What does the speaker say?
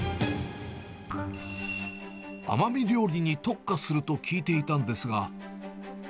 奄美料理に特化すると聞いていたんですが。